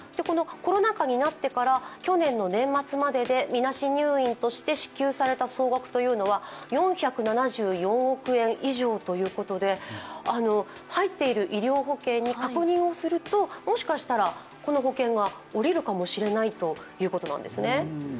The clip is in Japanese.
コロナ禍になってから去年の年末まででみなし入院として支給された総額は４７４億円以上ということで、入っている医療保険に確認をするともしかしたらこの保険が下りるかもしれないということなんです。